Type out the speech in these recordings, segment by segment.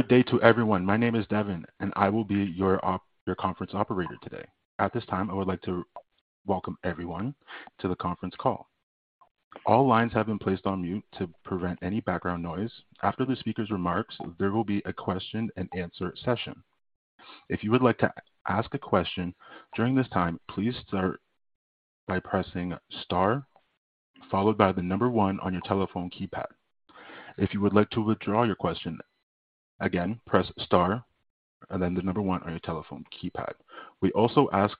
Good day to everyone. My name is Devin, and I will be your conference operator today. At this time, I would like to welcome everyone to the conference call. All lines have been placed on mute to prevent any background noise. After the speaker's remarks, there will be a question and answer session. If you would like to ask a question during this time, please start by pressing star followed by the number one on your telephone keypad. If you would like to withdraw your question, again, press star and then the number one on your telephone keypad. We also ask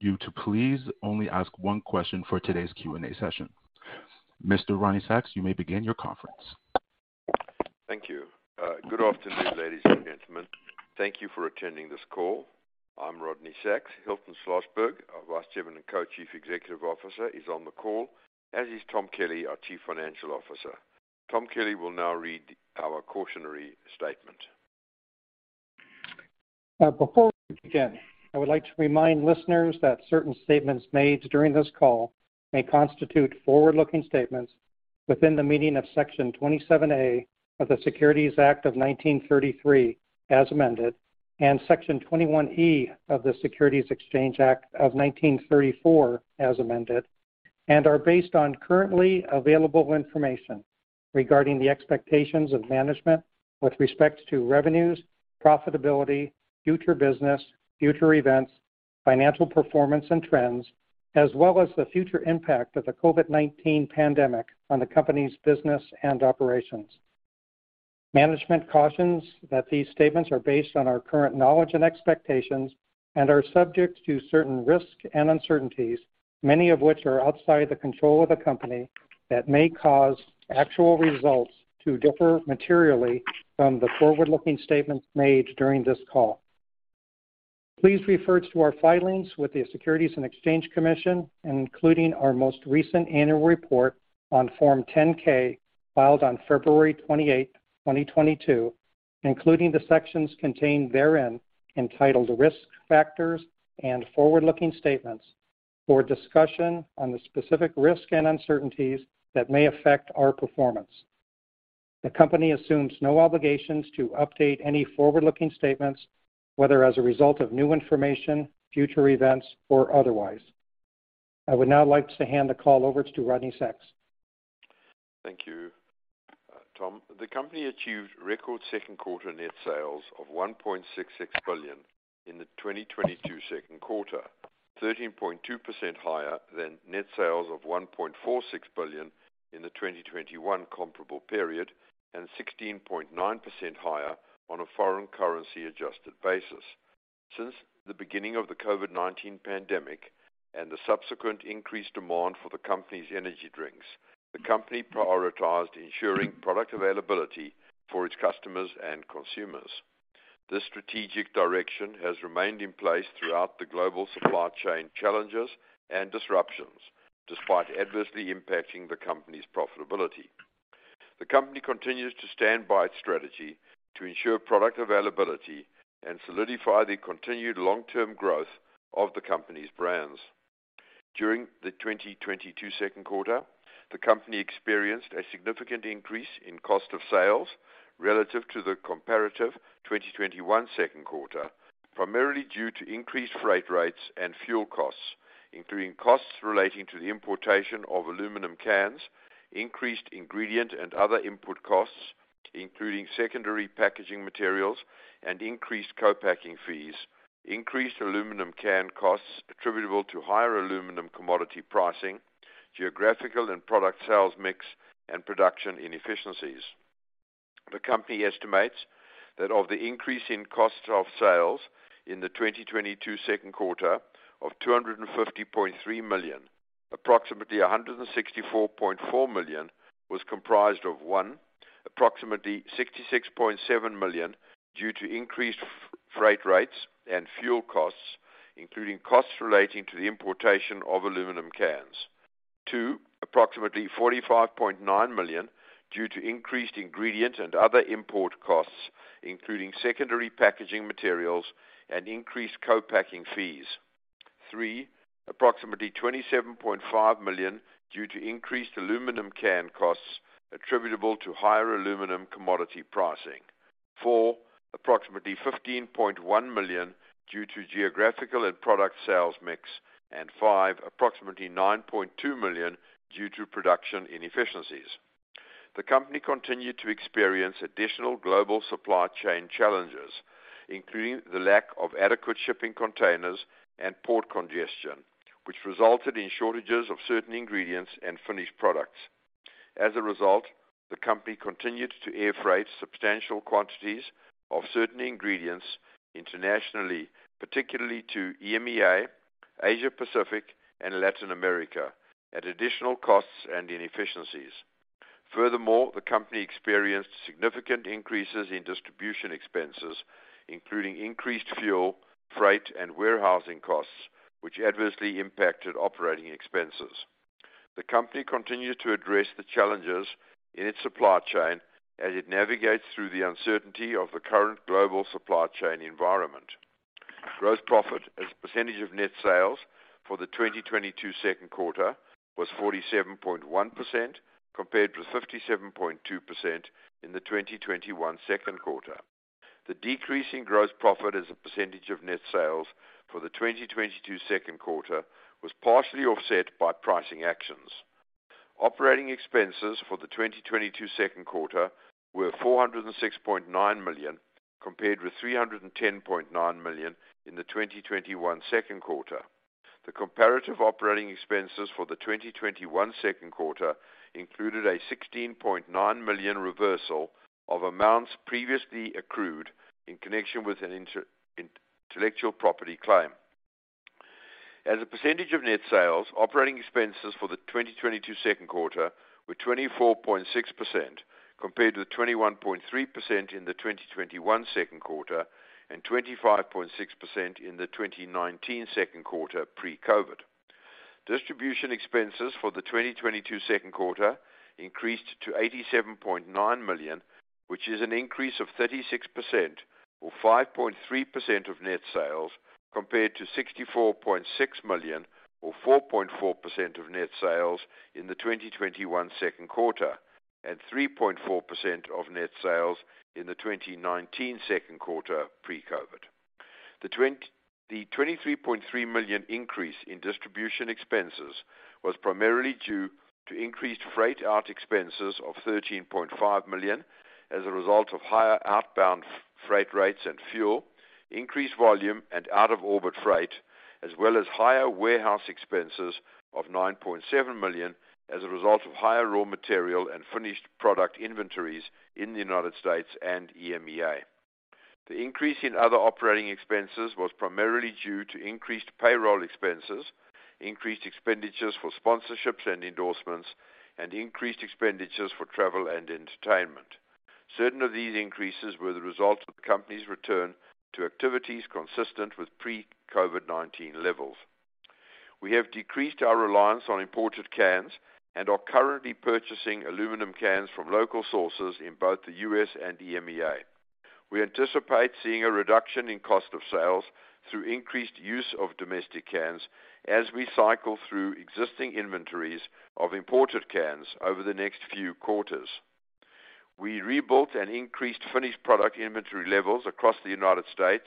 you to please only ask one question for today's Q&A session. Mr. Rodney Sacks, you may begin your conference. Thank you. Good afternoon, ladies and gentlemen. Thank you for attending this call. I'm Rodney Sacks. Hilton Schlosberg, our Vice Chairman and Co-Chief Executive Officer is on the call, as is Tom Kelly, our Chief Financial Officer. Tom Kelly will now read our cautionary statement. Before we begin, I would like to remind listeners that certain statements made during this call may constitute forward-looking statements within the meaning of Section 27A of the Securities Act of 1933 as amended, and Section 21E of the Securities Exchange Act of 1934 as amended, and are based on currently available information regarding the expectations of management with respect to revenues, profitability, future business, future events, financial performance and trends, as well as the future impact of the COVID-19 pandemic on the company's business and operations. Management cautions that these statements are based on our current knowledge and expectations and are subject to certain risks and uncertainties, many of which are outside the control of the company, that may cause actual results to differ materially from the forward-looking statements made during this call. Please refer to our filings with the Securities and Exchange Commission, including our most recent annual report on Form 10-K, filed on February 28, 2022, including the sections contained therein, entitled Risk Factors and Forward-Looking Statements, for discussion on the specific risks and uncertainties that may affect our performance. The company assumes no obligations to update any forward-looking statements, whether as a result of new information, future events, or otherwise. I would now like to hand the call over to Rodney Sacks. Thank you, Tom. The company achieved record second quarter net sales of $1.66 billion in the 2022 second quarter, 13.2% higher than net sales of $1.46 billion in the 2021 comparable period and 16.9% higher on a foreign currency adjusted basis. Since the beginning of the COVID-19 pandemic and the subsequent increased demand for the company's energy drinks, the company prioritized ensuring product availability for its customers and consumers. This strategic direction has remained in place throughout the global supply chain challenges and disruptions, despite adversely impacting the company's profitability. The company continues to stand by its strategy to ensure product availability and solidify the continued long-term growth of the company's brands. During the 2022 second quarter, the company experienced a significant increase in cost of sales relative to the comparative 2021 second quarter, primarily due to increased freight rates and fuel costs, including costs relating to the importation of aluminum cans, increased ingredient and other input costs, including secondary packaging materials and increased co-packing fees. Increased aluminum can costs attributable to higher aluminum commodity pricing, geographical and product sales mix and production inefficiencies. The company estimates that of the increase in cost of sales in the 2022 second quarter of $250.3 million, approximately $164.4 million was comprised of, one, approximately $66.7 million due to increased freight rates and fuel costs, including costs relating to the importation of aluminum cans. Two, approximately $45.9 million due to increased ingredient and other import costs, including secondary packaging materials and increased co-packing fees. Three, approximately $27.5 million due to increased aluminum can costs attributable to higher aluminum commodity pricing. Four, approximately $15.1 million due to geographical and product sales mix. Five, approximately $9.2 million due to production inefficiencies. The company continued to experience additional global supply chain challenges, including the lack of adequate shipping containers and port congestion, which resulted in shortages of certain ingredients and finished products. As a result, the company continued to air freight substantial quantities of certain ingredients internationally, particularly to EMEA, Asia Pacific, and Latin America, at additional costs and inefficiencies. Furthermore, the company experienced significant increases in distribution expenses, including increased fuel, freight, and warehousing costs, which adversely impacted operating expenses. The company continued to address the challenges in its supply chain as it navigates through the uncertainty of the current global supply chain environment. Gross profit as a percentage of net sales for the 2022 second quarter was 47.1% compared to 57.2% in the 2021 second quarter. The decrease in gross profit as a percentage of net sales for the 2022 second quarter was partially offset by pricing actions. Operating expenses for the 2022 second quarter were $406.9 million, compared with $310.9 million in the 2021 second quarter. The comparative operating expenses for the 2021 second quarter included a $16.9 million reversal of amounts previously accrued in connection with an intellectual property claim. As a percentage of net sales, operating expenses for the 2022 second quarter were 24.6% compared to the 21.3% in the 2021 second quarter and 25.6% in the 2019 second quarter pre-COVID. Distribution expenses for the 2022 second quarter increased to $87.9 million, which is an increase of 36% or 5.3% of net sales, compared to $64.6 million or 4.4% of net sales in the 2021 second quarter, and 3.4% of net sales in the 2019 second quarter pre-COVID. The $23.3 million increase in distribution expenses was primarily due to increased freight out expenses of $13.5 million as a result of higher outbound freight rates and fuel, increased volume and outbound freight, as well as higher warehouse expenses of $9.7 million as a result of higher raw material and finished product inventories in the United States and EMEA. The increase in other operating expenses was primarily due to increased payroll expenses, increased expenditures for sponsorships and endorsements, and increased expenditures for travel and entertainment. Certain of these increases were the result of the company's return to activities consistent with pre-COVID-19 levels. We have decreased our reliance on imported cans and are currently purchasing aluminum cans from local sources in both the U.S. and EMEA. We anticipate seeing a reduction in cost of sales through increased use of domestic cans as we cycle through existing inventories of imported cans over the next few quarters. We rebuilt and increased finished product inventory levels across the United States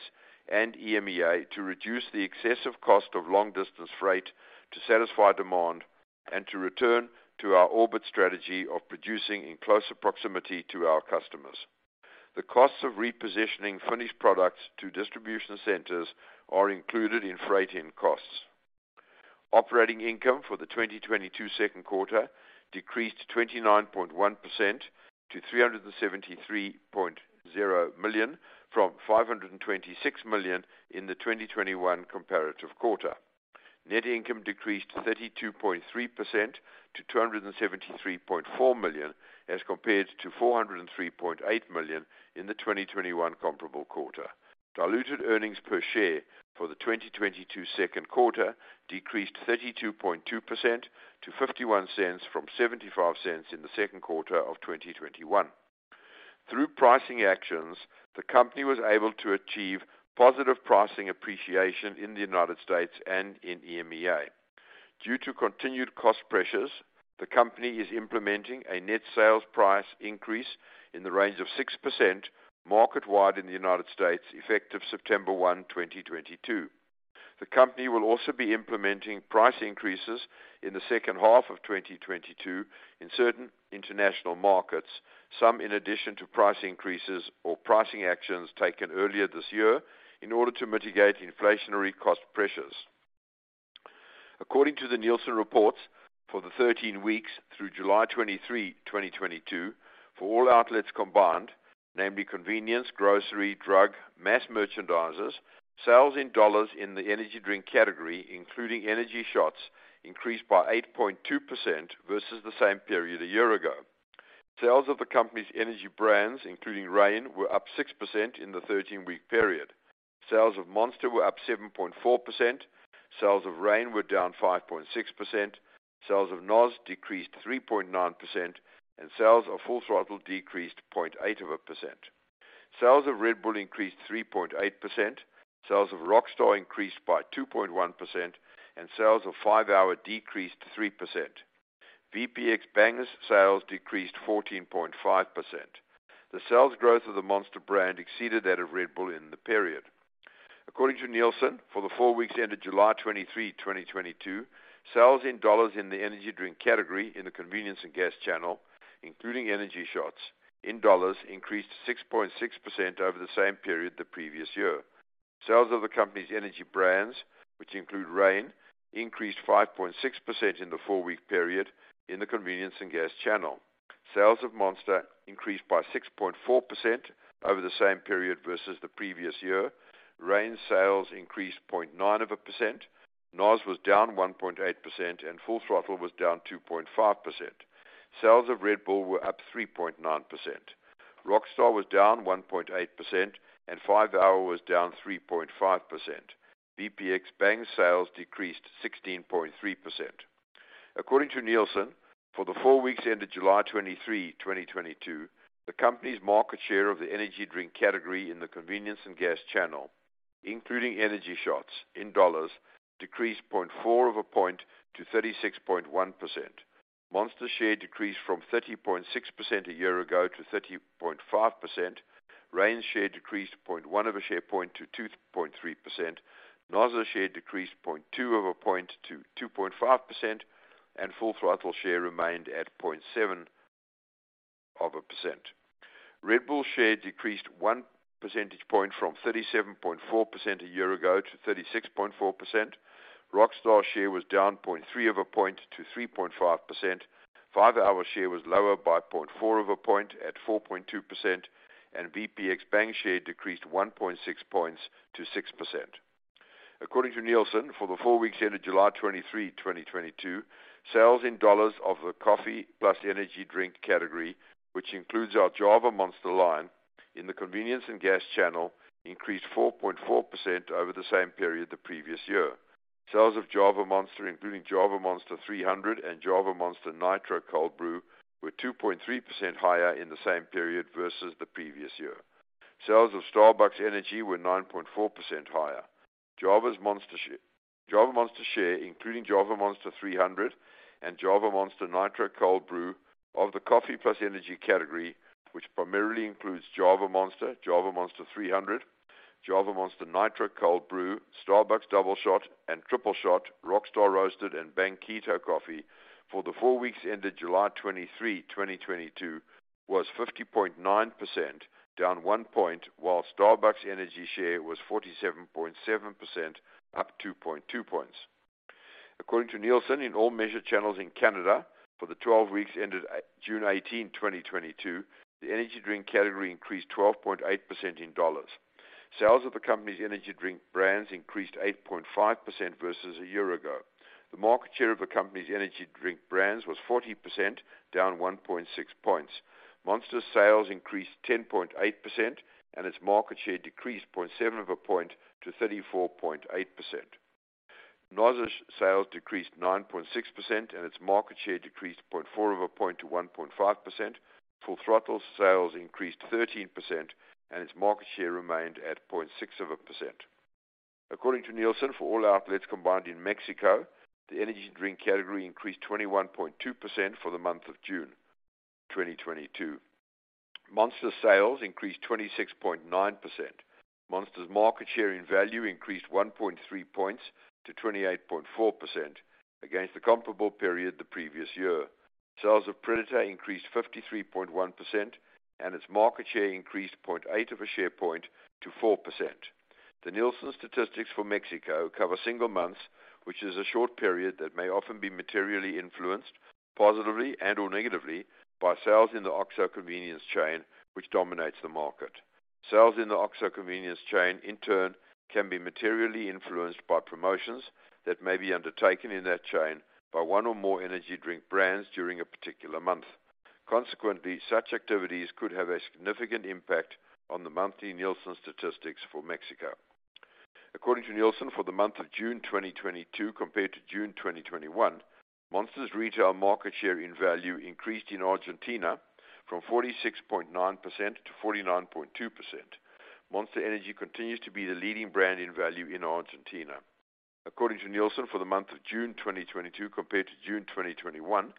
and EMEA to reduce the excessive cost of long distance freight to satisfy demand and to return to our orbit strategy of producing in closer proximity to our customers. The costs of repositioning finished products to distribution centers are included in freight in costs. Operating income for the 2022 second quarter decreased 29.1% to $373.0 million from $526 million in the 2021 comparative quarter. Net income decreased 32.3% to $273.4 million as compared to $403.8 million in the 2021 comparable quarter. Diluted earnings per share for the 2022 second quarter decreased 32.2% to $0.51 from $0.75 in the second quarter of 2021. Through pricing actions, the company was able to achieve positive pricing appreciation in the United States and in EMEA. Due to continued cost pressures, the company is implementing a net sales price increase in the range of 6% market-wide in the United States effective September 1, 2022. The company will also be implementing price increases in the second half of 2022 in certain international markets, some in addition to price increases or pricing actions taken earlier this year in order to mitigate inflationary cost pressures. According to the Nielsen reports, for the 13 weeks through July 23, 2022, for all outlets combined, namely convenience, grocery, drug, mass merchandisers, sales in dollars in the energy drink category, including energy shots, increased by 8.2% versus the same period a year ago. Sales of the company's energy brands, including Reign, were up 6% in the 13-week period. Sales of Monster were up 7.4%, sales of Reign were down 5.6%, sales of NOS decreased 3.9%, and sales of Full Throttle decreased 0.8%. Sales of Red Bull increased 3.8%, sales of Rockstar increased by 2.1%, and sales of 5-Hour decreased 3%. VPX Bang sales decreased 14.5%. The sales growth of the Monster brand exceeded that of Red Bull in the period. According to Nielsen, for the four weeks ended July 23, 2022, sales in dollars in the energy drink category in the convenience and gas channel, including energy shots in dollars, increased 6.6% over the same period the previous year. Sales of the company's energy brands, which include Reign, increased 5.6% in the four-week period in the convenience and gas channel. Sales of Monster increased by 6.4% over the same period versus the previous year. Reign sales increased 0.9%, NOS was down 1.8%, and Full Throttle was down 2.5%. Sales of Red Bull were up 3.9%. Rockstar was down 1.8% and 5-Hour was down 3.5%. VPX Bang sales decreased 16.3%. According to Nielsen, for the four weeks ended July 23, 2022, the company's market share of the energy drink category in the convenience and gas channel, including energy shots in dollars, decreased 0.4 point to 36.1%. Monster's share decreased from 30.6% a year ago to 30.5%. Reign's share decreased 0.1 share point to 2.3%. NOS's share decreased 0.2 point to 2.5%, and Full Throttle's share remained at 0.7%. Red Bull's share decreased 1 percentage point from 37.4% a year ago to 36.4%. Rockstar's share was down 0.3 point to 3.5%. 5-Hour Energy's share was lower by 0.4 of a point at 4.2%, and VPX Bang's share decreased 1.6 points to 6%. According to Nielsen, for the four weeks ended July 23, 2022, sales in dollars of the coffee plus energy drink category, which includes our Java Monster line in the convenience and gas channel, increased 4.4% over the same period the previous year. Sales of Java Monster, including Java Monster 300 and Java Monster Cold Brew, were 2.3% higher in the same period versus the previous year. Sales of Starbucks Energy were 9.4% higher. Java Monster share, including Java Monster 300 and Java Monster Cold Brew of the coffee plus energy category, which primarily includes Java Monster, Java Monster 300, Java Monster Cold Brew, Starbucks Doubleshot and Tripleshot, Rockstar Roasted and Bang Keto Coffee for the four weeks ended July 23, 2022 was 50.9%, down 1 point, while Starbucks Energy share was 47.7%, up 2.2 points. According to Nielsen, in all measured channels in Canada for the 12 weeks ended June 18, 2022, the energy drink category increased 12.8% in dollars. Sales of the company's energy drink brands increased 8.5% versus a year ago. The market share of the company's energy drink brands was 40%, down 1.6 points. Monster's sales increased 10.8% and its market share decreased 0.7 of a point to 34.8%. NOS's sales decreased 9.6% and its market share decreased 0.4 of a point to 1.5%. Full Throttle's sales increased 13% and its market share remained at 0.6 of a percent. According to Nielsen, for all outlets combined in Mexico, the energy drink category increased 21.2% for the month of June 2022. Monster's sales increased 26.9%. Monster's market share in value increased 1.3 points to 28.4% against the comparable period the previous year. Sales of Predator increased 53.1%, and its market share increased 0.8 of a share point to 4%. The Nielsen statistics for Mexico cover single months, which is a short period that may often be materially influenced positively and/or negatively by sales in the OXXO convenience chain, which dominates the market. Sales in the OXXO convenience chain, in turn, can be materially influenced by promotions that may be undertaken in that chain by one or more energy drink brands during a particular month. Consequently, such activities could have a significant impact on the monthly Nielsen statistics for Mexico. According to Nielsen, for the month of June 2022 compared to June 2021, Monster's retail market share in value increased in Argentina from 46.9% to 49.2%. Monster Energy continues to be the leading brand in value in Argentina. According to Nielsen, for the month of June 2022 compared to June 2021,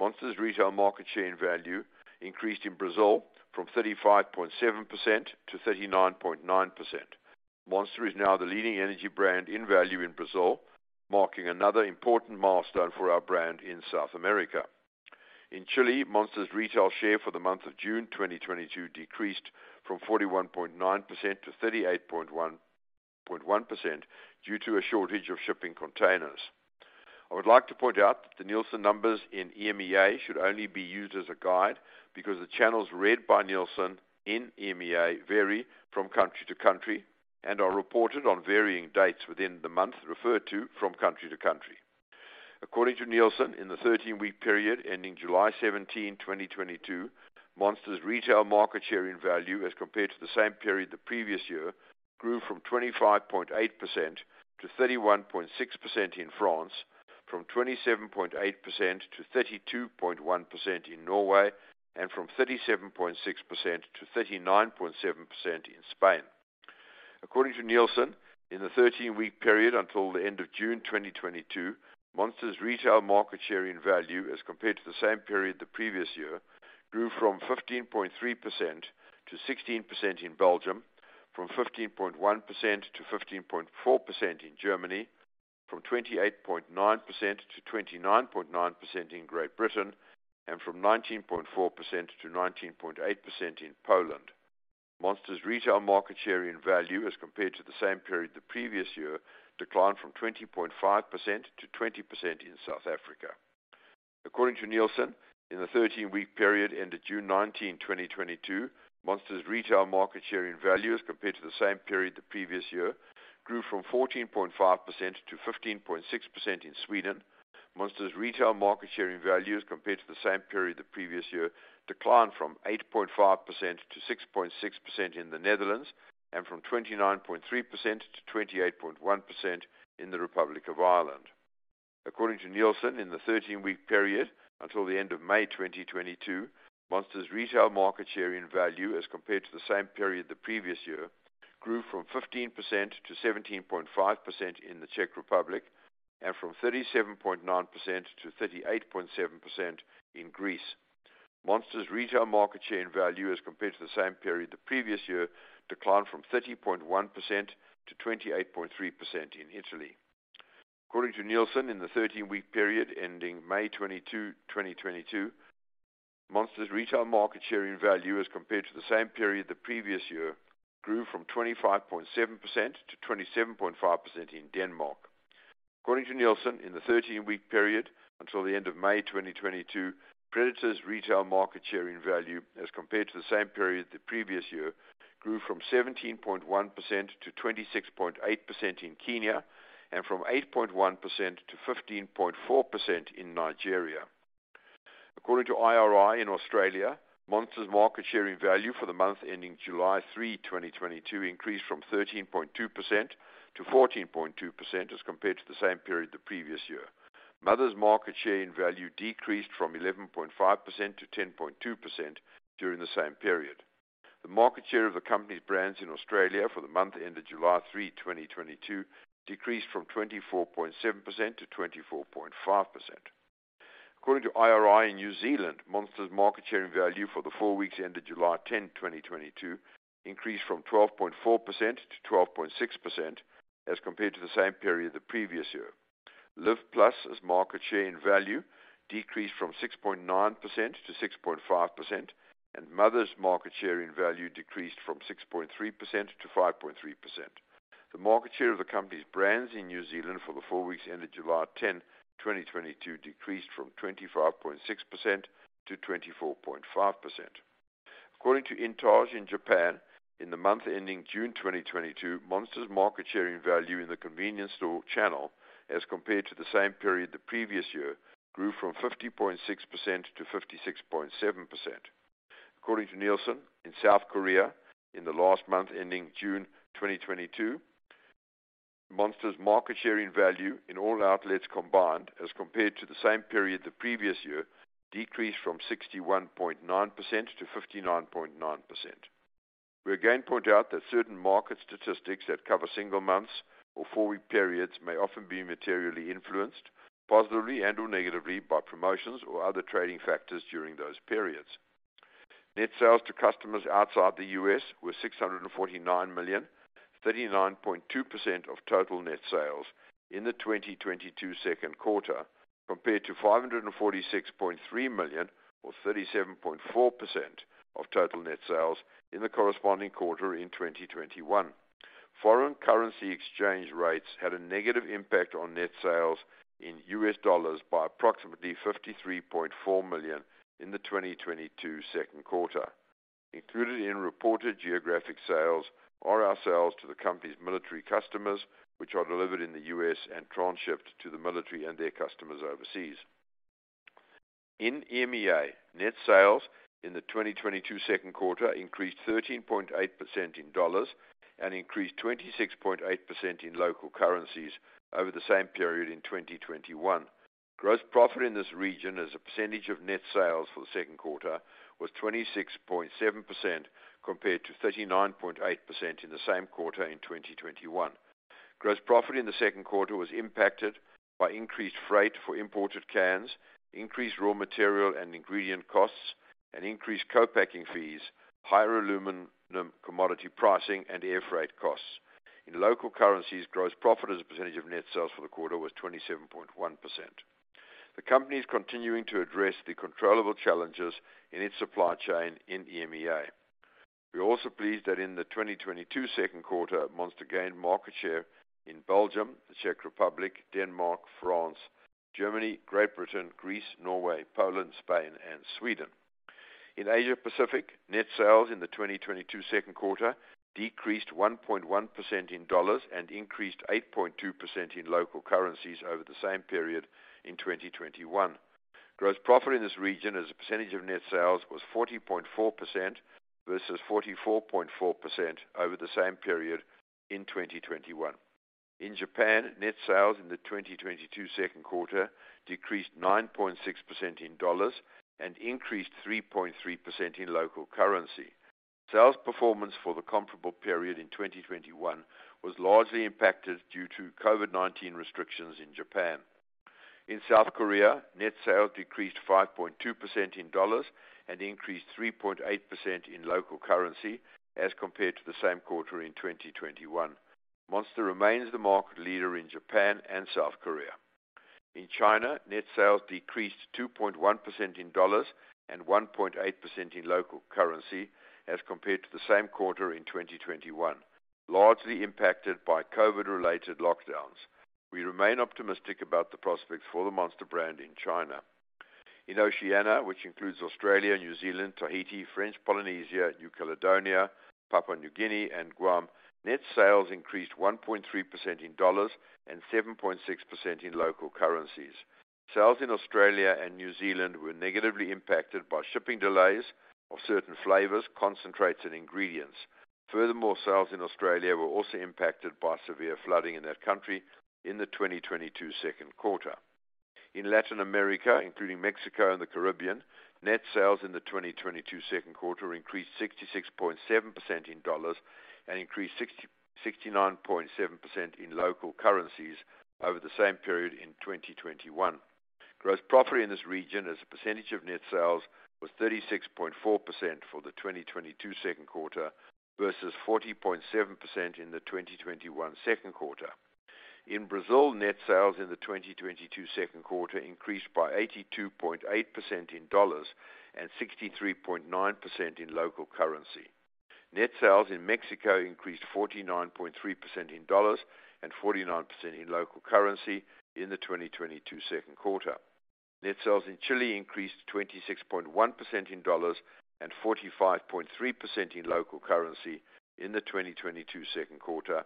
Monster's retail market share in value increased in Brazil from 35.7% to 39.9%. Monster is now the leading energy brand in value in Brazil, marking another important milestone for our brand in South America. In Chile, Monster's retail share for the month of June 2022 decreased from 41.9% to 38.1% due to a shortage of shipping containers. I would like to point out that the Nielsen numbers in EMEA should only be used as a guide because the channels read by Nielsen in EMEA vary from country to country and are reported on varying dates within the month referred to from country to country. According to Nielsen, in the 13-week period ending July 17, 2022, Monster's retail market share in value as compared to the same period the previous year grew from 25.8% to 31.6% in France, from 27.8% to 32.1% in Norway, and from 37.6% to 39.7% in Spain. According to Nielsen, in the 13-week period until the end of June 2022, Monster's retail market share in value as compared to the same period the previous year grew from 15.3% to 16% in Belgium, from 15.1% to 15.4% in Germany, from 28.9% to 29.9% in Great Britain, and from 19.4% to 19.8% in Poland. Monster's retail market share in value as compared to the same period the previous year declined from 20.5% to 20% in South Africa. According to Nielsen, in the 13-week period ended June 19, 2022, Monster's retail market share in value as compared to the same period the previous year grew from 14.5% to 15.6% in Sweden. Monster's retail market share in value as compared to the same period the previous year declined from 8.5% to 6.6% in the Netherlands and from 29.3% to 28.1% in the Republic of Ireland. According to Nielsen, in the 13-week period until the end of May 2022, Monster's retail market share in value as compared to the same period the previous year grew from 15% to 17.5% in the Czech Republic, and from 37.9% to 38.7% in Greece. Monster's retail market share in value as compared to the same period the previous year declined from 30.1% to 28.3% in Italy. According to Nielsen, in the 13-week period ending May 22, 2022, Monster's retail market share in value as compared to the same period the previous year grew from 25.7% to 27.5% in Denmark. According to Nielsen, in the 13-week period until the end of May 2022, Predator's retail market share in value as compared to the same period the previous year grew from 17.1% to 26.8% in Kenya and from 8.1% to 15.4% in Nigeria. According to IRI in Australia, Monster's market share in value for the month ending July 3, 2022 increased from 13.2% to 14.2% as compared to the same period the previous year. Mother's market share in value decreased from 11.5% to 10.2% during the same period. The market share of the company's brands in Australia for the month ended July 3, 2022 decreased from 24.7% to 24.5%. According to IRI in New Zealand, Monster's market share in value for the four weeks ended July 10, 2022 increased from 12.4% to 12.6% as compared to the same period the previous year. Live+'s market share in value decreased from 6.9% to 6.5%, and Mother's market share in value decreased from 6.3% to 5.3%. The market share of the company's brands in New Zealand for the four weeks ended July 10, 2022 decreased from 25.6% to 24.5%. According to INTAGE in Japan, in the month ending June 2022, Monster's market share in value in the convenience store channel as compared to the same period the previous year grew from 50.6% to 56.7%. According to Nielsen, in South Korea in the last month ending June 2022, Monster's market share in value in all outlets combined as compared to the same period the previous year decreased from 61.9% to 59.9%. We again point out that certain market statistics that cover single months or four-week periods may often be materially influenced, positively and/or negatively, by promotions or other trading factors during those periods. Net sales to customers outside the U.S. were $649 million, 39.2% of total net sales in the 2022 second quarter, compared to $546.3 million or 37.4% of total net sales in the corresponding quarter in 2021. Foreign currency exchange rates had a negative impact on net sales in U.S. dollars by approximately $53.4 million in the 2022 second quarter. Included in reported geographic sales are our sales to the company's military customers, which are delivered in the U.S. and transshipped to the military and their customers overseas. In EMEA, net sales in the 2022 second quarter increased 13.8% in dollars and increased 26.8% in local currencies over the same period in 2021. Gross profit in this region as a percentage of net sales for the second quarter was 26.7% compared to 39.8% in the same quarter in 2021. Gross profit in the second quarter was impacted by increased freight for imported cans, increased raw material and ingredient costs, and increased co-packing fees, higher aluminum commodity pricing, and air freight costs. In local currencies, gross profit as a percentage of net sales for the quarter was 27.1%. The company is continuing to address the controllable challenges in its supply chain in EMEA. We are also pleased that in the 2022 second quarter, Monster gained market share in Belgium, the Czech Republic, Denmark, France, Germany, Great Britain, Greece, Norway, Poland, Spain, and Sweden. In Asia Pacific, net sales in the 2022 second quarter decreased 1.1% in dollars and increased 8.2% in local currencies over the same period in 2021. Gross profit in this region as a percentage of net sales was 40.4% versus 44.4% over the same period in 2021. In Japan, net sales in the 2022 second quarter decreased 9.6% in dollars and increased 3.3% in local currency. Sales performance for the comparable period in 2021 was largely impacted due to COVID-19 restrictions in Japan. In South Korea, net sales decreased 5.2% in dollars and increased 3.8% in local currency as compared to the same quarter in 2021. Monster remains the market leader in Japan and South Korea. In China, net sales decreased 2.1% in dollars and 1.8% in local currency as compared to the same quarter in 2021, largely impacted by COVID-related lockdowns. We remain optimistic about the prospects for the Monster brand in China. In Oceania, which includes Australia, New Zealand, Tahiti, French Polynesia, New Caledonia, Papua New Guinea, and Guam, net sales increased 1.3% in dollars and 7.6% in local currencies. Sales in Australia and New Zealand were negatively impacted by shipping delays of certain flavors, concentrates and ingredients. Furthermore, sales in Australia were also impacted by severe flooding in that country in the 2022 second quarter. In Latin America, including Mexico and the Caribbean, net sales in the 2022 second quarter increased 66.7% in dollars and increased 69.7% in local currencies over the same period in 2021. Gross profit in this region as a percentage of net sales was 36.4% for the 2022 second quarter versus 40.7% in the 2021 second quarter. In Brazil, net sales in the 2022 second quarter increased by 82.8% in dollars and 63.9% in local currency. Net sales in Mexico increased 49.3% in dollars and 49% in local currency in the 2022 second quarter. Net sales in Chile increased 26.1% in dollars and 45.3% in local currency in the 2022 second quarter.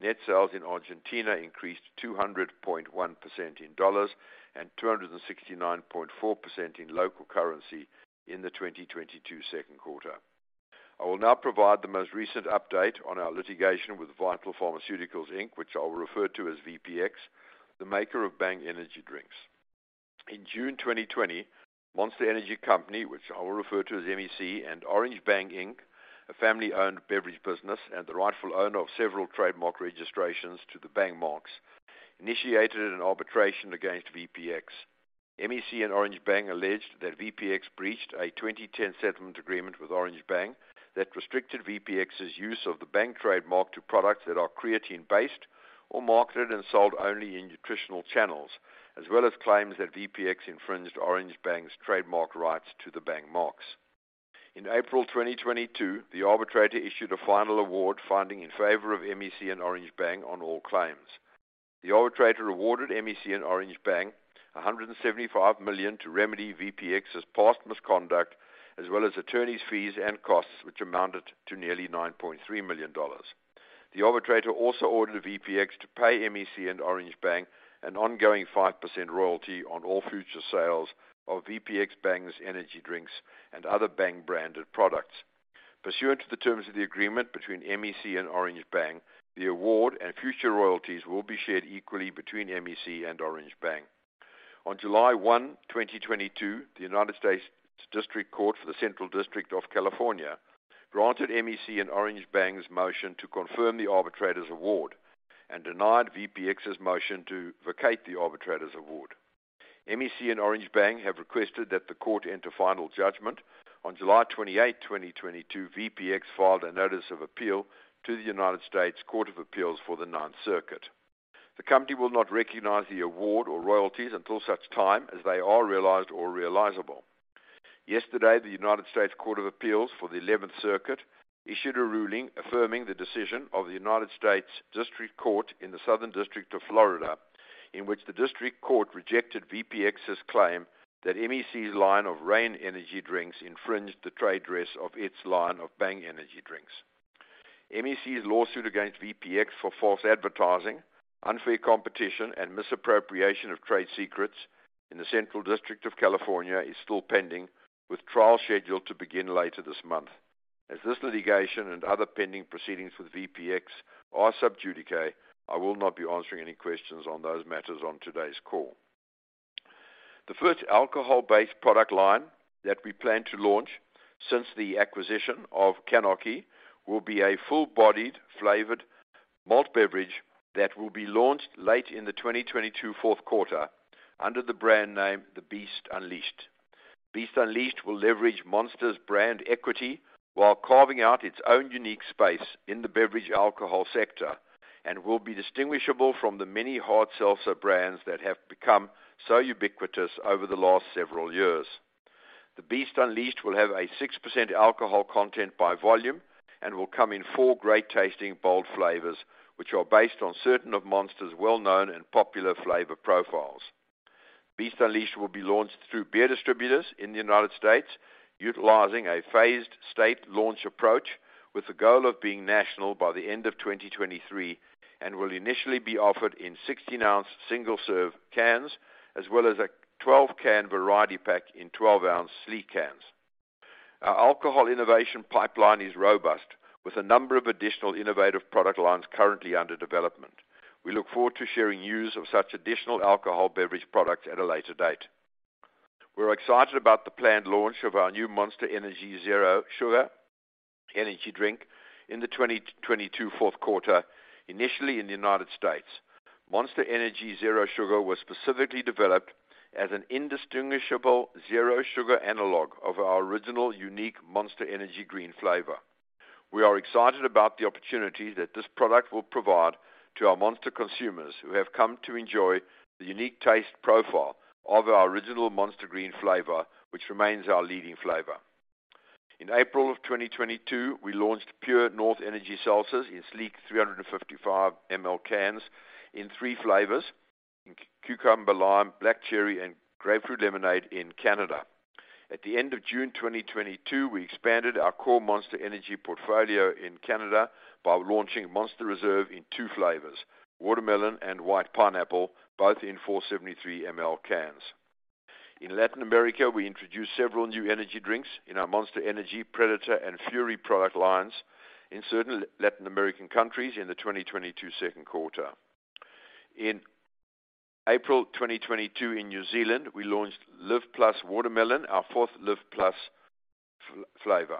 Net sales in Argentina increased 200.1% in dollars and 269.4% in local currency in the 2022 second quarter. I will now provide the most recent update on our litigation with Vital Pharmaceuticals, Inc., which I will refer to as VPX, the maker of Bang energy drinks. In June 2020, Monster Energy Company, which I will refer to as MEC, and Orange Bang, Inc., a family-owned beverage business and the rightful owner of several trademark registrations to the Bang marks, initiated an arbitration against VPX. MEC and Orange Bang alleged that VPX breached a 2010 settlement agreement with Orange Bang that restricted VPX's use of the Bang trademark to products that are creatine-based or marketed and sold only in nutritional channels, as well as claims that VPX infringed Orange Bang's trademark rights to the Bang marks. In April 2022, the arbitrator issued a final award finding in favor of MEC and Orange Bang on all claims. The arbitrator awarded MEC and Orange Bang $175 million to remedy VPX's past misconduct, as well as attorney's fees and costs, which amounted to nearly $9.3 million. The arbitrator also ordered VPX to pay MEC and Orange Bang an ongoing 5% royalty on all future sales of VPX Bang's energy drinks and other Bang branded products. Pursuant to the terms of the agreement between MEC and Orange Bang, the award and future royalties will be shared equally between MEC and Orange Bang. On July 1, 2022, the United States District Court for the Central District of California granted MEC and Orange Bang's motion to confirm the arbitrator's award and denied VPX's motion to vacate the arbitrator's award. MEC and Orange Bang have requested that the court enter final judgment. On July 28, 2022, VPX filed a notice of appeal to the United States Court of Appeals for the Ninth Circuit. The company will not recognize the award or royalties until such time as they are realized or realizable. Yesterday, the United States Court of Appeals for the Eleventh Circuit issued a ruling affirming the decision of the United States District Court for the Southern District of Florida, in which the district court rejected VPX's claim that MEC's line of Reign energy drinks infringed the trade dress of its line of Bang energy drinks. MEC's lawsuit against VPX for false advertising, unfair competition, and misappropriation of trade secrets in the Central District of California is still pending, with trial scheduled to begin later this month. As this litigation and other pending proceedings with VPX are sub judice, I will not be answering any questions on those matters on today's call. The first alcohol-based product line that we plan to launch since the acquisition of CANarchy will be a full-bodied flavored malt beverage that will be launched late in the 2022 fourth quarter under the brand name The Beast Unleashed. Beast Unleashed will leverage Monster's brand equity while carving out its own unique space in the beverage alcohol sector and will be distinguishable from the many hard seltzer brands that have become so ubiquitous over the last several years. The Beast Unleashed will have a 6% alcohol content by volume and will come in four great tasting bold flavors, which are based on certain of Monster's well-known and popular flavor profiles. Beast Unleashed will be launched through beer distributors in the United States, utilizing a phased state launch approach with the goal of being national by the end of 2023 and will initially be offered in 16-ounce single-serve cans as well as a 12-can variety pack in 12-ounce sleek cans. Our alcohol innovation pipeline is robust with a number of additional innovative product lines currently under development. We look forward to sharing news of such additional alcohol beverage products at a later date. We're excited about the planned launch of our new Monster Energy Zero Sugar energy drink in the 2022 fourth quarter, initially in the United States. Monster Energy Zero Sugar was specifically developed as an indistinguishable zero sugar analog of our original unique Monster Energy Green flavor. We are excited about the opportunity that this product will provide to our Monster consumers who have come to enjoy the unique taste profile of our original Monster Energy Green flavor, which remains our leading flavor. In April 2022, we launched True North Pure Energy Seltzers in sleek 355 ml cans in three flavors: cucumber, lime, black cherry and grapefruit lemonade in Canada. At the end of June 2022, we expanded our core Monster Energy portfolio in Canada by launching Monster Reserve in two flavors, watermelon and white pineapple, both in 473 ml cans. In Latin America, we introduced several new energy drinks in our Monster Energy, Predator and Fury product lines in certain Latin American countries in the 2022 second quarter. In April 2022 in New Zealand, we launched Live+ Watermelon, our fourth Live+ flavor.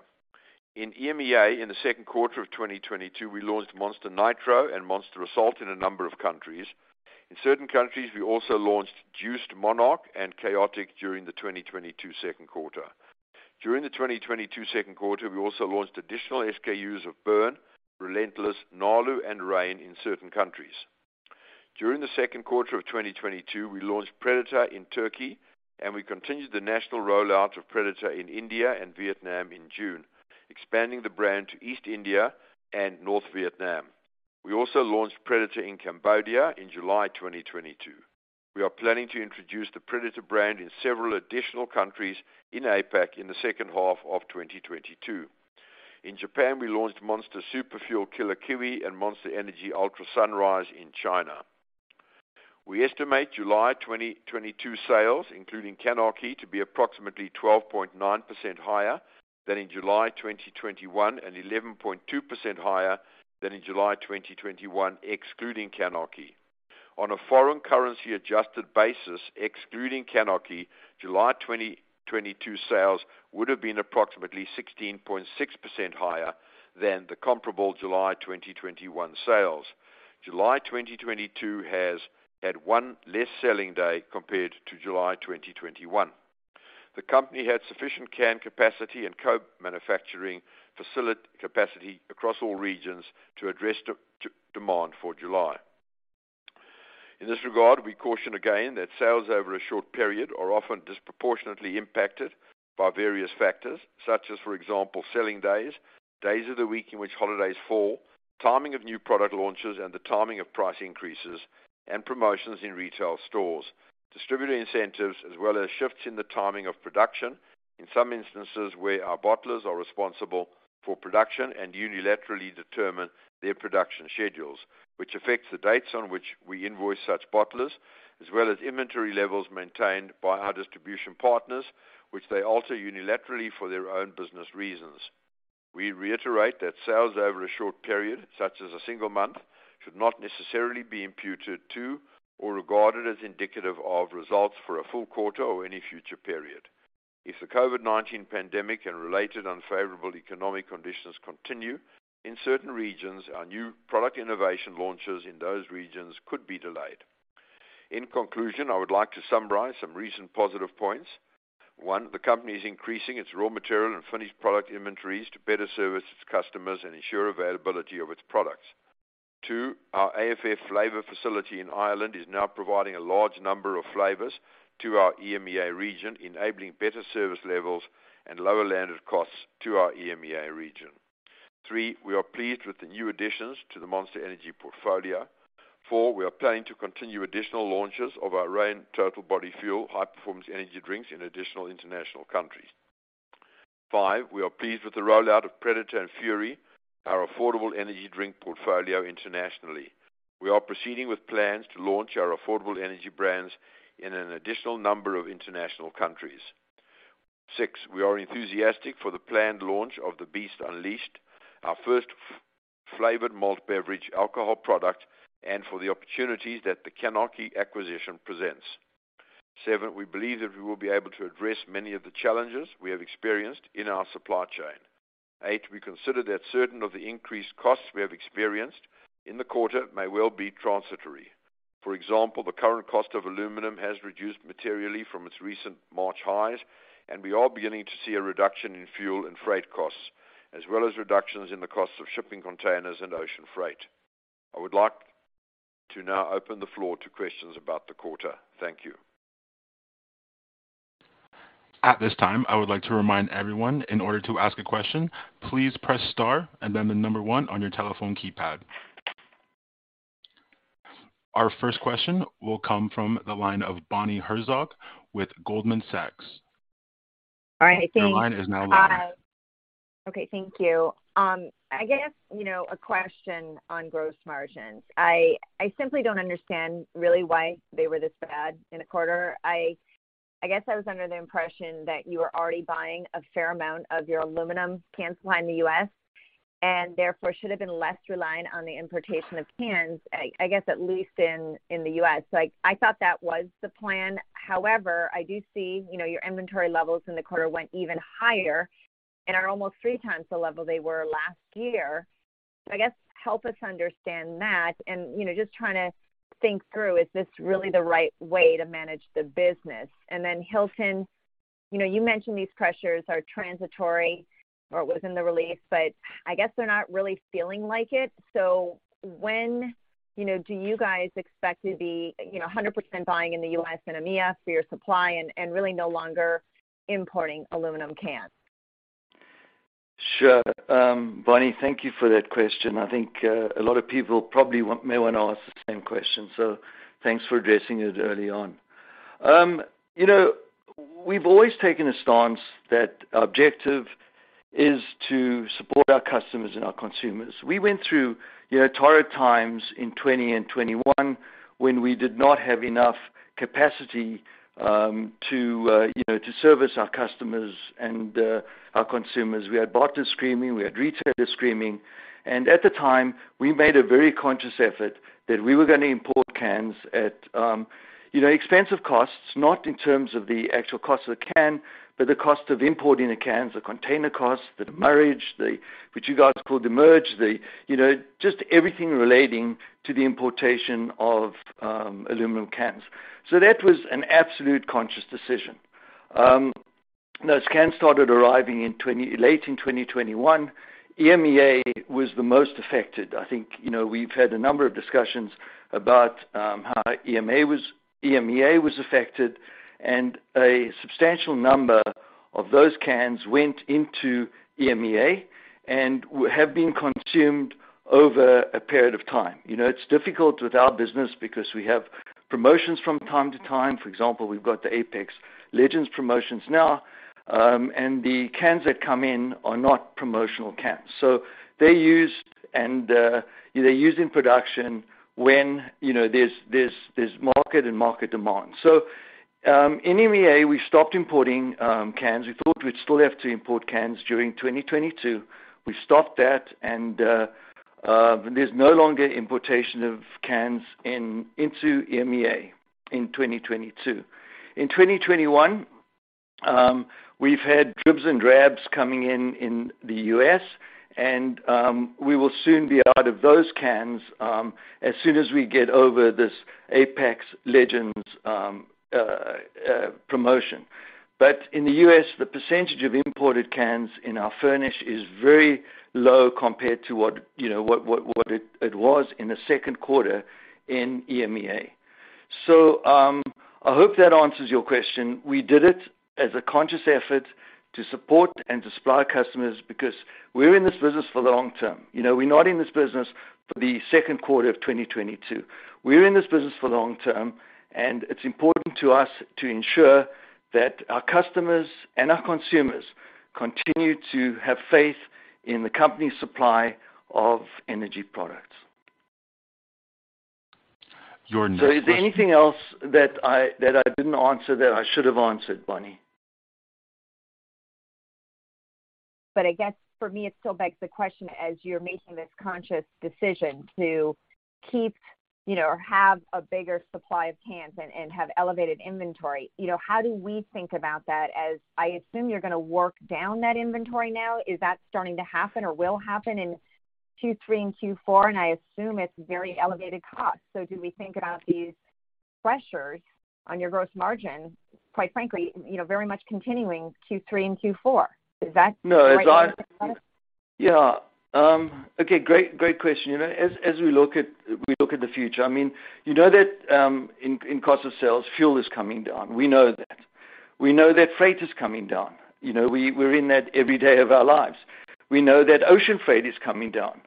In EMEA, in the second quarter of 2022, we launched Monster Nitro and Monster Assault in a number of countries. In certain countries, we also launched Monster Juiced Monarch and Monster Juiced Khaotic during the 2022 second quarter. During the 2022 second quarter, we also launched additional SKUs of Burn, Relentless, Nalu and Reign in certain countries. During the second quarter of 2022, we launched Predator in Turkey, and we continued the national rollout of Predator in India and Vietnam in June, expanding the brand to East India and North Vietnam. We also launched Predator in Cambodia in July 2022. We are planning to introduce the Predator brand in several additional countries in APAC in the second half of 2022. In Japan, we launched Monster Super Fuel Killer Kiwi and Monster Energy Ultra Sunrise in China. We estimate July 2022 sales, including CANarchy, to be approximately 12.9% higher than in July 2021 and 11.2% higher than in July 2021, excluding CANarchy. On a foreign currency adjusted basis, excluding CANarchy, July 2022 sales would have been approximately 16.6% higher than the comparable July 2021 sales. July 2022 has had one less selling day compared to July 2021. The company had sufficient can capacity and co-manufacturing facility capacity across all regions to address demand for July. In this regard, we caution again that sales over a short period are often disproportionately impacted by various factors, such as, for example, selling days of the week in which holidays fall, timing of new product launches and the timing of price increases and promotions in retail stores, distributor incentives, as well as shifts in the timing of production, in some instances where our bottlers are responsible for production and unilaterally determine their production schedules, which affects the dates on which we invoice such bottlers, as well as inventory levels maintained by our distribution partners, which they alter unilaterally for their own business reasons. We reiterate that sales over a short period, such as a single month, should not necessarily be imputed to or regarded as indicative of results for a full quarter or any future period. If the COVID-19 pandemic and related unfavorable economic conditions continue in certain regions, our new product innovation launches in those regions could be delayed. In conclusion, I would like to summarize some recent positive points. One, the company is increasing its raw material and finished product inventories to better service its customers and ensure availability of its products. Two, our AFF flavor facility in Ireland is now providing a large number of flavors to our EMEA region, enabling better service levels and lower landed costs to our EMEA region. Three, we are pleased with the new additions to the Monster Energy portfolio. Four, we are planning to continue additional launches of our Reign Total Body Fuel high-performance energy drinks in additional international countries. Five, we are pleased with the rollout of Predator and Fury, our affordable energy drink portfolio internationally. We are proceeding with plans to launch our affordable energy brands in an additional number of international countries. Six, we are enthusiastic for the planned launch of the Beast Unleashed, our first flavored malt beverage alcohol product, and for the opportunities that the CANarchy acquisition presents. Seven, we believe that we will be able to address many of the challenges we have experienced in our supply chain. Eight, we consider that certain of the increased costs we have experienced in the quarter may well be transitory. For example, the current cost of aluminum has reduced materially from its recent March highs, and we are beginning to see a reduction in fuel and freight costs, as well as reductions in the cost of shipping containers and ocean freight. I would like to now open the floor to questions about the quarter. Thank you. At this time, I would like to remind everyone in order to ask a question, please press star and then the number 1 on your telephone keypad. Our first question will come from the line of Bonnie Herzog with Goldman Sachs. All right. Thank you. Your line is now open. Okay, thank you. I guess, you know, a question on gross margins. I simply don't understand really why they were this bad in a quarter. I guess I was under the impression that you were already buying a fair amount of your aluminum cans supply in the U.S. and therefore should have been less reliant on the importation of cans, I guess at least in the U.S. Like, I thought that was the plan. However, I do see, you know, your inventory levels in the quarter went even higher and are almost three times the level they were last year. I guess help us understand that and, you know, just trying to think through, is this really the right way to manage the business? Hilton, you know, you mentioned these pressures are transitory or it was in the release, but I guess they're not really feeling like it. When, you know, do you guys expect to be, you know, 100% buying in the U.S. and EMEA for your supply and really no longer importing aluminum cans? Sure. Bonnie, thank you for that question. I think a lot of people probably may wanna ask the same question, so thanks for addressing it early on. You know, we've always taken a stance that our objective is to support our customers and our consumers. We went through you know, tough times in 2020 and 2021 when we did not have enough capacity to you know, to service our customers and our consumers. We had bottlers screaming, we had retailers screaming. At the time, we made a very conscious effort that we were gonna import cans at, you know, expensive costs, not in terms of the actual cost of the can, but the cost of importing the cans, the container costs, the demurrage, the what you guys call demurrage, just everything relating to the importation of aluminum cans. That was an absolute conscious decision. Those cans started arriving late in 2021. EMEA was the most affected. I think, you know, we've had a number of discussions about how EMEA was affected, and a substantial number of those cans went into EMEA and have been consumed over a period of time. You know, it's difficult with our business because we have promotions from time to time. For example, we've got the Apex Legends promotions now, and the cans that come in are not promotional cans. They're used in production when, you know, there's market demand. In EMEA, we stopped importing cans. We thought we'd still have to import cans during 2022. We stopped that and there's no longer importation of cans into EMEA in 2022. In 2021, we've had dribs and drabs coming in the US and we will soon be out of those cans as soon as we get over this Apex Legends promotion. In the US, the percentage of imported cans in our furnish is very low compared to what it was in the second quarter in EMEA. I hope that answers your question. We did it as a conscious effort to support and supply customers because we're in this business for the long term. You know, we're not in this business for the second quarter of 2022. We're in this business for the long term, and it's important to us to ensure that our customers and our consumers continue to have faith in the company's supply of energy products. Your next- Is there anything else that I didn't answer that I should have answered, Bonnie? I guess for me, it still begs the question, as you're making this conscious decision to keep, you know, or have a bigger supply of cans and have elevated inventory, you know, how do we think about that as I assume you're gonna work down that inventory now? Is that starting to happen or will happen in Q3 and Q4? I assume it's very elevated cost. Do we think about these pressures on your gross margin, quite frankly, you know, very much continuing Q3 and Q4? Is that the right way to think about it? No, yeah. Okay, great question. You know, as we look at the future, I mean, you know that in cost of sales, fuel is coming down. We know that. We know that freight is coming down. You know, we're in that every day of our lives. We know that ocean freight is coming down.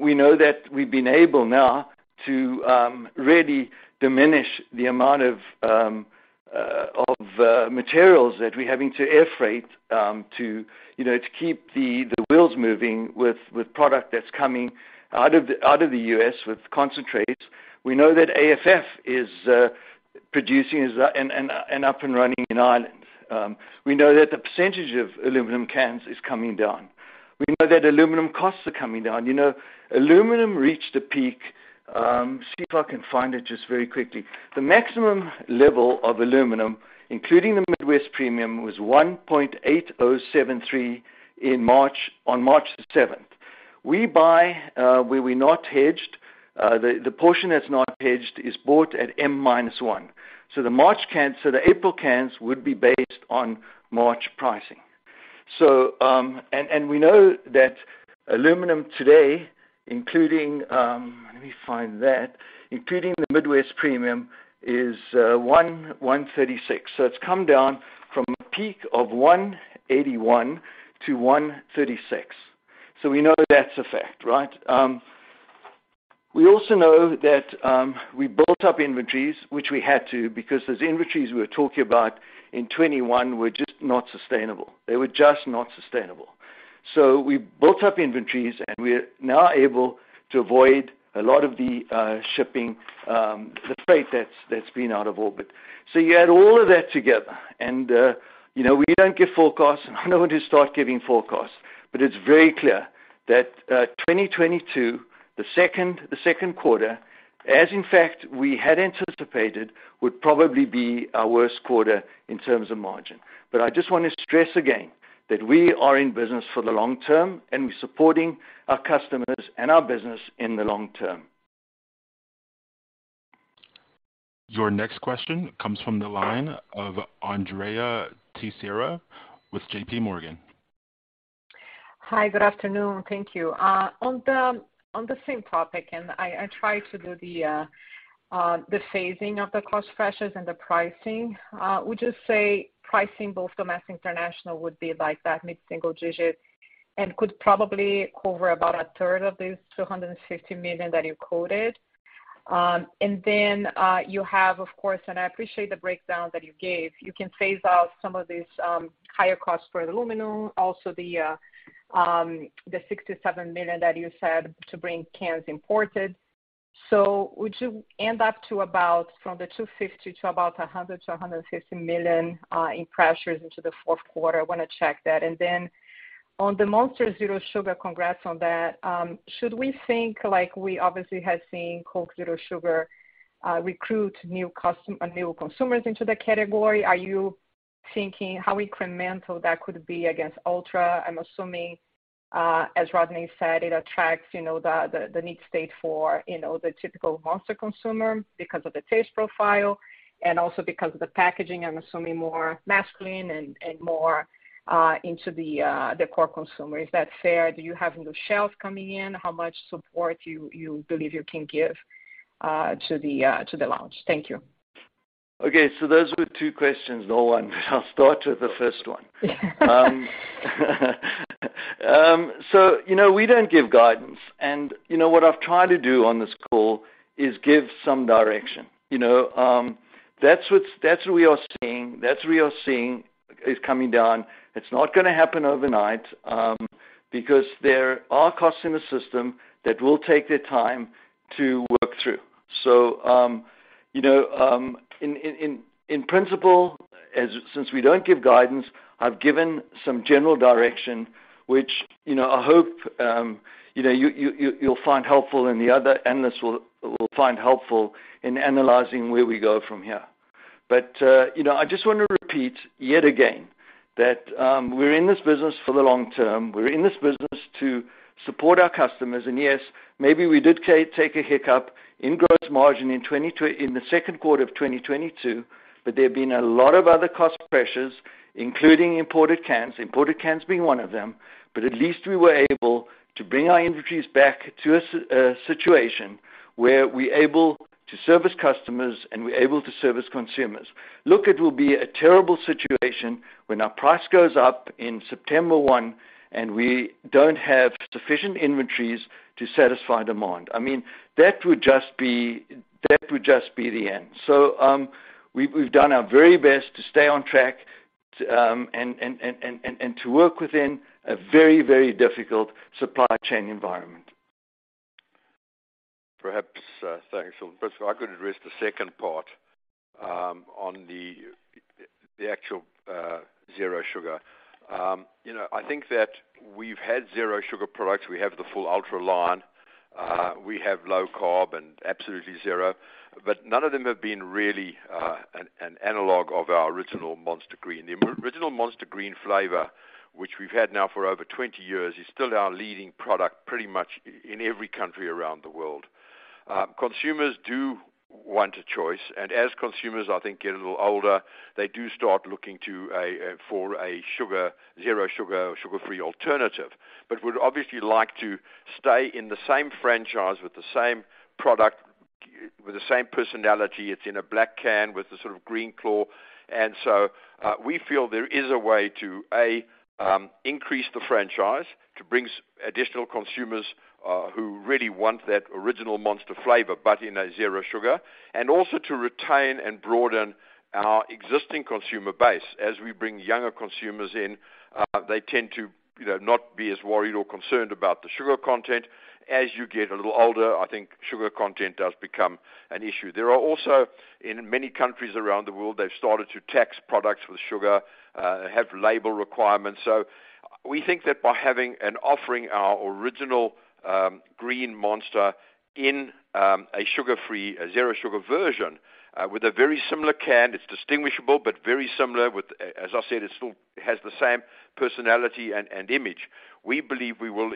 We know that we've been able now to really diminish the amount of materials that we're having to air freight to keep the wheels moving with product that's coming out of the U.S. with concentrates. We know that AFF is producing and up and running in Ireland. We know that the percentage of aluminum cans is coming down. We know that aluminum costs are coming down. You know, aluminum reached a peak. The maximum level of aluminum, including the Midwest premium, was $1.8073 in March, on March 7. We buy where we're not hedged, the portion that's not hedged is bought at M minus one. The April cans would be based on March pricing. We know that aluminum today, including the Midwest premium, is $1.36. It's come down from a peak of $1.81 to $1.36. We know that's a fact, right? We also know that we built up inventories, which we had to because those inventories we were talking about in 2021 were just not sustainable. They were just not sustainable. We built up inventories, and we're now able to avoid a lot of the shipping, the freight that's been out of orbit. You add all of that together and, you know, we don't give forecasts. I'm not going to start giving forecasts. It's very clear that, 2022, the second quarter, as in fact we had anticipated, would probably be our worst quarter in terms of margin. I just want to stress again that we are in business for the long term, and we're supporting our customers and our business in the long term. Your next question comes from the line of Andrea Teixeira with JPMorgan. Hi. Good afternoon. Thank you. On the same topic, I try to do the phasing of the cost pressures and the pricing. Would you say pricing both domestic international would be like that mid-single digit? Could probably cover about a third of this $250 million that you quoted. You have, of course, and I appreciate the breakdown that you gave. You can phase out some of these higher costs for aluminum, also the $67 million that you said to bring cans imported. Would you end up to about from the $250 to about $100 million to $150 million in pressures into the fourth quarter? I want to check that. On the Monster Energy Zero Sugar, congrats on that. Should we think like we obviously have seen Coca-Cola Zero Sugar recruit new consumers into the category? Are you thinking how incremental that could be against Ultra? I'm assuming, as Rodney said, it attracts, you know, the need state for, you know, the typical Monster consumer because of the taste profile and also because of the packaging. I'm assuming more masculine and more into the core consumer. Is that fair? Do you have new shelves coming in? How much support you believe you can give to the launch? Thank you. Okay. Those were two questions in all and I'll start with the first one. You know, we don't give guidance. You know, what I've tried to do on this call is give some direction. You know, that's what we are seeing. That's what we are seeing is coming down. It's not gonna happen overnight, because there are costs in the system that will take their time to work through. You know, in principle, since we don't give guidance, I've given some general direction, which, you know, I hope, you know, you'll find helpful and the other analysts will find helpful in analyzing where we go from here. You know, I just want to repeat yet again that, we're in this business for the long term. We're in this business to support our customers. Yes, maybe we did take a hiccup in gross margin in the second quarter of 2022, but there have been a lot of other cost pressures, including imported cans being one of them. At least we were able to bring our inventories back to a situation where we're able to service customers and we're able to service consumers. Look, it will be a terrible situation when our price goes up in September 1, and we don't have sufficient inventories to satisfy demand. I mean, that would just be the end. We've done our very best to stay on track and to work within a very, very difficult supply chain environment. Perhaps, thanks, Hilton. First of all, I could address the second part, on the actual Zero Sugar. You know, I think that we've had Zero Sugar products. We have the full Ultra line. We have low carb and absolutely zero. But none of them have been really, an analog of our original Monster Energy Green. The original Monster Energy Green flavor, which we've had now for over 20 years, is still our leading product pretty much in every country around the world. Consumers do want a choice. As consumers, I think, get a little older, they do start looking for a sugar-free Zero Sugar or sugar-free alternative. But would obviously like to stay in the same franchise with the same product, with the same personality. It's in a black can with the sort of green claw. We feel there is a way to increase the franchise to bring additional consumers who really want that original Monster flavor, but in a Zero Sugar, and also to retain and broaden our existing consumer base. As we bring younger consumers in, they tend to, you know, not be as worried or concerned about the sugar content. As you get a little older, I think sugar content does become an issue. There are also, in many countries around the world, they've started to tax products with sugar, have label requirements. We think that by having and offering our original green Monster in a sugar-free Zero Sugar version, with a very similar can, it's distinguishable but very similar. As I said, it still has the same personality and image. We believe we will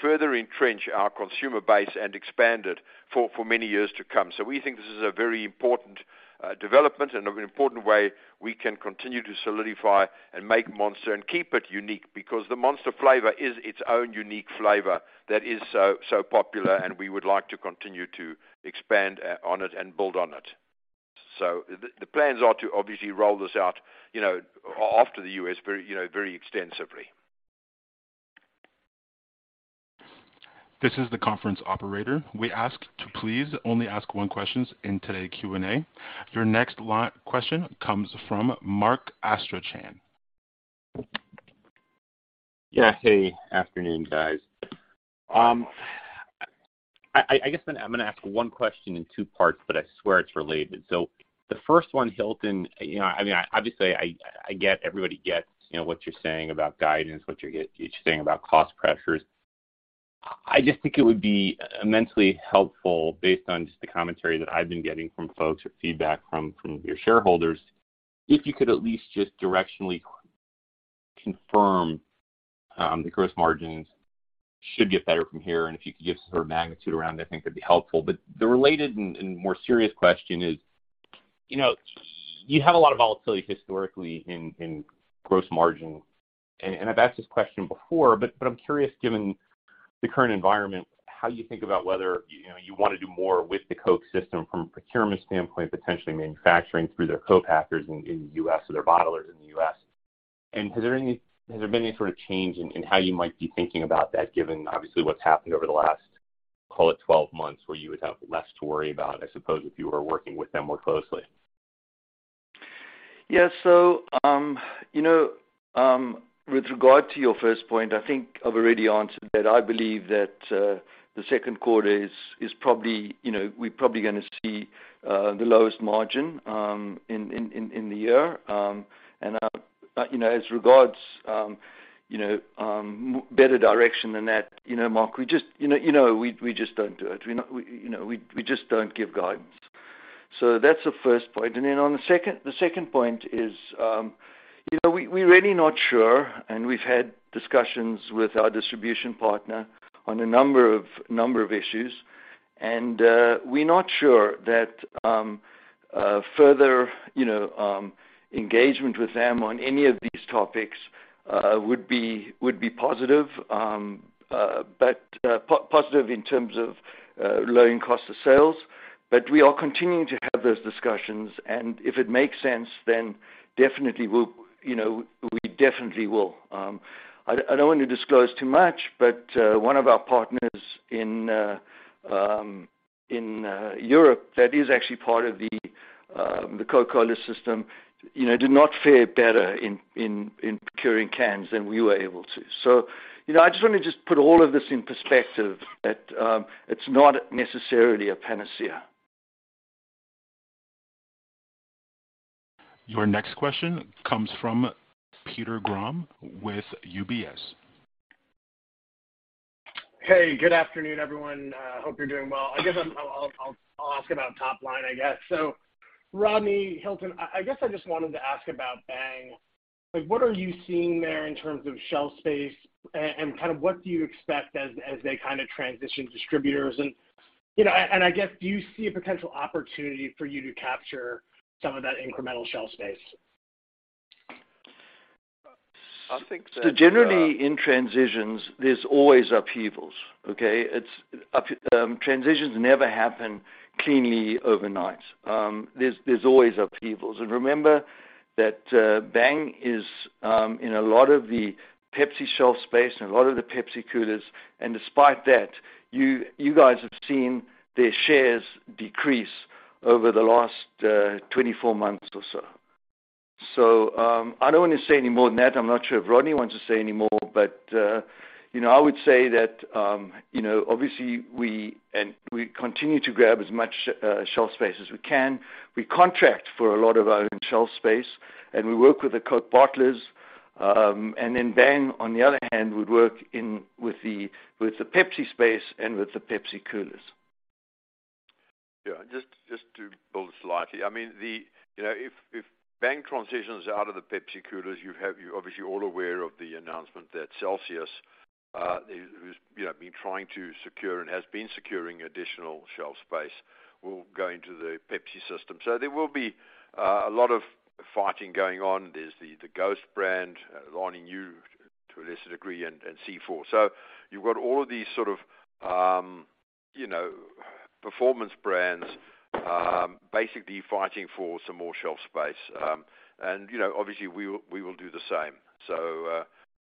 further entrench our consumer base and expand it for many years to come. We think this is a very important development and an important way we can continue to solidify and make Monster and keep it unique because the Monster flavor is its own unique flavor that is so popular, and we would like to continue to expand on it and build on it. The plans are to obviously roll this out, you know, after the U.S. very, you know, very extensively. This is the conference operator. We ask to please only ask one question in today's Q&A. Your next question comes from Mark Astrachan. Yeah. Hey. Afternoon, guys. I guess I'm gonna ask one question in two parts, but I swear it's related. The first one, Hilton, you know, I mean, obviously, I get, everybody gets, you know, what you're saying about guidance, what you're saying about cost pressures. I just think it would be immensely helpful based on just the commentary that I've been getting from folks or feedback from your shareholders, if you could at least just directionally confirm the gross margins should get better from here, and if you could give some sort of magnitude around, I think that'd be helpful. The related and more serious question is, you know, you have a lot of volatility historically in gross margin. I've asked this question before, but I'm curious given- The current environment, how you think about whether, you know, you want to do more with the Coke system from a procurement standpoint, potentially manufacturing through their co-packers in the U.S. or their bottlers in the U.S. Has there been any sort of change in how you might be thinking about that, given obviously what's happened over the last, call it 12 months, where you would have less to worry about, I suppose, if you were working with them more closely? Yeah. With regard to your first point, I think I've already answered that I believe that the second quarter is probably, you know, we're probably gonna see the lowest margin in the year. As regards better direction than that, you know, Mark, we just don't do it. We just don't give guidance. So that's the first point. Then the second point is, we're really not sure, and we've had discussions with our distribution partner on a number of issues, and we're not sure that further engagement with them on any of these topics would be positive. But positive in terms of lowering cost of sales. But we are continuing to have those discussions, and if it makes sense, then definitely, you know, we will. I don't want to disclose too much, but one of our partners in Europe that is actually part of the Coca-Cola system, you know, did not fare better in procuring cans than we were able to. You know, I just wanna put all of this in perspective that it's not necessarily a panacea. Your next question comes from Peter Grom with UBS. Hey, good afternoon, everyone. Hope you're doing well. I guess I'll ask about top line, I guess. Rodney, Hilton, I guess I just wanted to ask about Bang. Like, what are you seeing there in terms of shelf space and kind of what do you expect as they kind of transition distributors? And, you know, and I guess, do you see a potential opportunity for you to capture some of that incremental shelf space? I think that generally in transitions, there's always upheavals, okay? Transitions never happen cleanly overnight. There's always upheavals. Remember that Bang is in a lot of the Pepsi shelf space and a lot of the Pepsi coolers, and despite that, you guys have seen their shares decrease over the last 24 months or so. I don't wanna say any more than that. I'm not sure if Rodney wants to say any more. You know, I would say that you know, obviously, we continue to grab as much shelf space as we can. We contract for a lot of our own shelf space, and we work with the Coke bottlers. Bang, on the other hand, would work in with the Pepsi space and with the Pepsi coolers. Yeah, just to build slightly. I mean, you know, if Bang transitions out of the Pepsi coolers, you have... You're obviously all aware of the announcement that Celsius is, you know, been trying to secure and has been securing additional shelf space, will go into the Pepsi system. There will be a lot of fighting going on. There's the Ghost brand lining up to a lesser degree and C4. You've got all of these sort of, you know, performance brands basically fighting for some more shelf space. You know, obviously, we will do the same.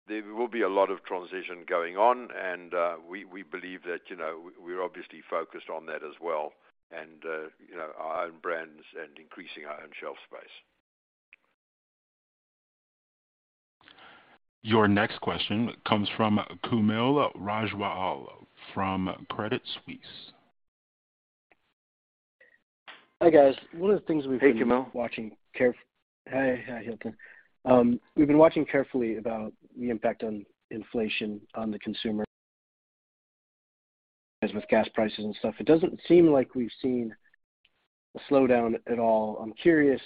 There will be a lot of transition going on, and we believe that, you know, we're obviously focused on that as well and, you know, our own brands and increasing our own shelf space. Your next question comes from Kaumil Gajrawala from Credit Suisse. Hi, guys. One of the things we've been Hey, Kaumil. Hey. Hi, Hilton. We've been watching carefully about the impact on inflation on the consumer as with gas prices and stuff. It doesn't seem like we've seen a slowdown at all. I'm curious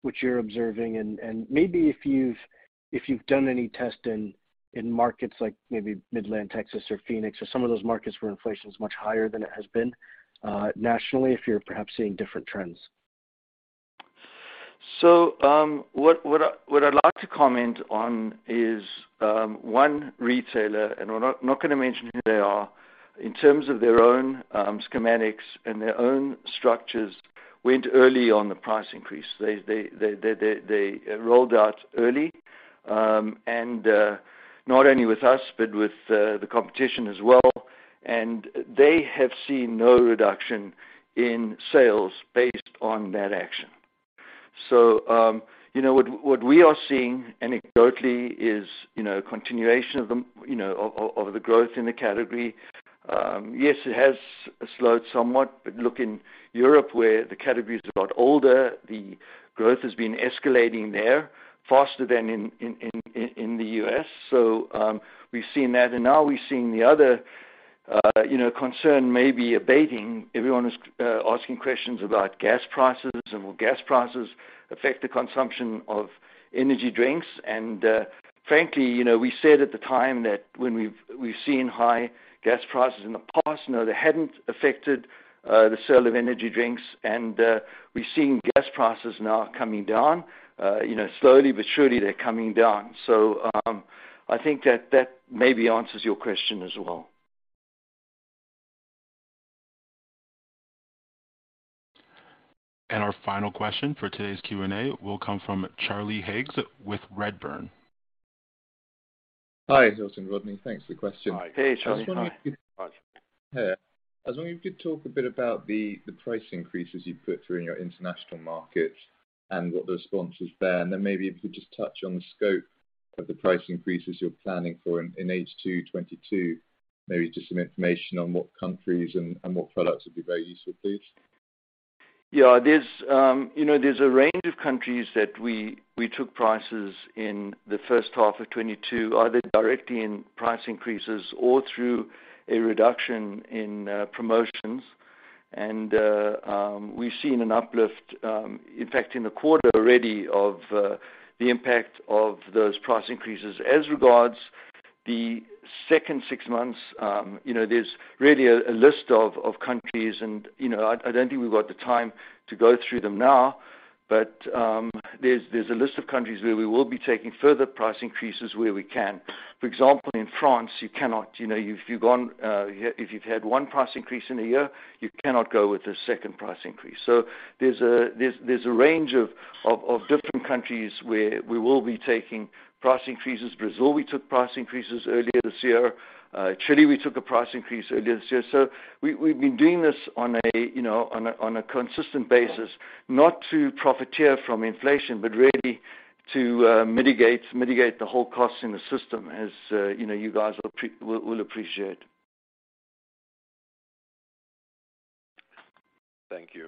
what you're observing and maybe if you've done any testing in markets like maybe Midland, Texas or Phoenix or some of those markets where inflation is much higher than it has been nationally, if you're perhaps seeing different trends. What I'd like to comment on is one retailer, and we're not gonna mention who they are, in terms of their own schematics and their own structures, went early on the price increase. They rolled out early, and not only with us, but with the competition as well, and they have seen no reduction in sales based on that action. You know, what we are seeing anecdotally is you know, continuation of the you know, of the growth in the category. Yes, it has slowed somewhat, but look in Europe where the category is a lot older. The growth has been escalating there faster than in the U.S. We've seen that, and now we've seen the other, you know, concern may be abating. Everyone is asking questions about gas prices and will gas prices affect the consumption of energy drinks. Frankly, you know, we said at the time that when we've seen high gas prices in the past, no, they hadn't affected the sale of energy drinks. We've seen gas prices now coming down. You know, slowly but surely, they're coming down. I think that maybe answers your question as well. Our final question for today's Q&A will come from Charlie Higgs with Redburn. Hi, Hilton, Rodney. Thanks for the question. Hi, Charlie. Hi. I was wondering if you could talk a bit about the price increases you've put through in your international markets and what the response was there. Maybe if you could just touch on the scope of the price increases you're planning for in H2 2022. Maybe just some information on what countries and what products would be very useful, please. You know, there's a range of countries that we took prices in the first half of 2022, either directly in price increases or through a reduction in promotions. We've seen an uplift, in fact, in the quarter already of the impact of those price increases. As regards the second 6 months, you know, there's really a list of countries and, you know, I don't think we've got the time to go through them now. There's a list of countries where we will be taking further price increases where we can. For example, in France, you cannot, you know, if you've had one price increase in a year, you cannot go with a second price increase. There's a range of different countries where we will be taking price increases. Brazil, we took price increases earlier this year. Chile, we took a price increase earlier this year. We've been doing this on a consistent basis, not to profiteer from inflation, but really to mitigate the whole cost in the system as you guys will appreciate. Thank you.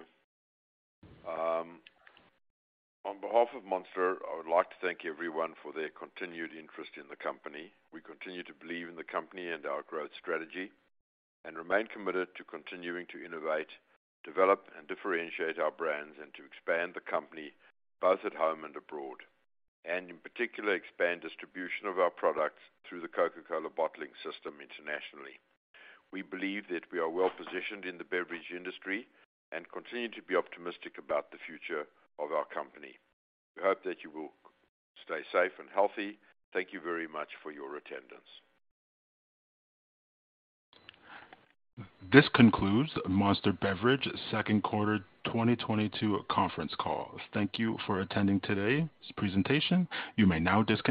On behalf of Monster, I would like to thank everyone for their continued interest in the company. We continue to believe in the company and our growth strategy and remain committed to continuing to innovate, develop, and differentiate our brands and to expand the company both at home and abroad, and in particular, expand distribution of our products through the Coca-Cola bottling system internationally. We believe that we are well-positioned in the beverage industry and continue to be optimistic about the future of our company. We hope that you will stay safe and healthy. Thank you very much for your attendance. This concludes Monster Beverage second quarter 2022 conference call. Thank you for attending today's presentation. You may now disconnect.